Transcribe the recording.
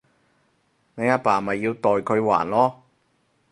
你阿爸咪要代佢還囉